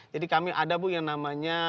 jadi kami ada bu yang namanya